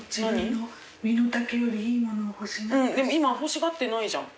でも今は欲しがってないじゃん。